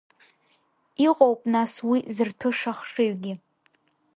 Иҟоуп нас уи зырҭәыша ахшыҩгьы!